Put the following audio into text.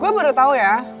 gue baru tau ya